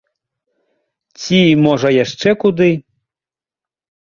Ці, можа яшчэ куды?